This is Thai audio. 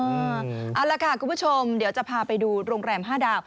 เอาล่ะค่ะคุณผู้ชมเดี๋ยวจะพาไปดูโรงแรม๕ดาว